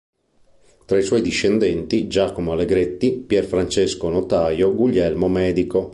Fra i suoi discendenti: Giacomo Allegretti, Pier Francesco notaio, Guglielmo medico.